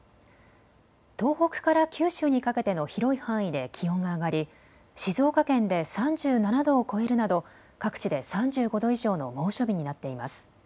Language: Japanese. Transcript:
東北から九州にかけての広い範囲で気温が上がり静岡県で３７度を超えるなど各地で３５度以上の猛暑日になっています。